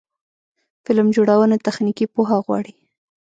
فلم جوړونه تخنیکي پوهه غواړي.